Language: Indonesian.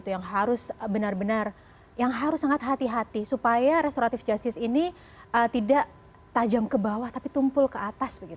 yang harus benar benar yang harus sangat hati hati supaya restoratif justice ini tidak tajam ke bawah tapi tumpul ke atas